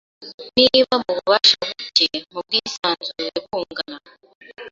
niba mububasha buke mu bwisanzure bungana